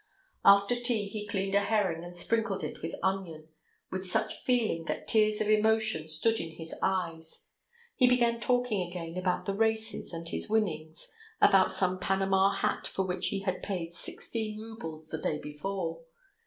After tea he cleaned a herring and sprinkled it with onion, with such feeling, that tears of emotion stood in his eyes. He began talking again about the races and his winnings, about some Panama hat for which he had paid sixteen roubles the day before.